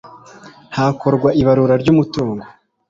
hakorwa ibarura ry umutungo